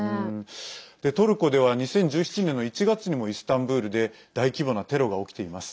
トルコでは２０１７年の１月にもイスタンブールで大規模なテロが起きています。